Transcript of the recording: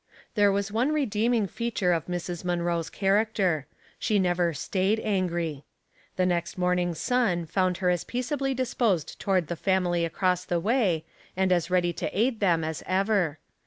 There was one redeeming feature of Mrs. Munroe's character. She never staged angry. The next morning's sun found her as peaceably disposed toward the family across the way, and as ready to aid them as ever.